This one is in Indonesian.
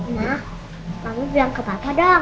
nah kamu bilang ke papa dong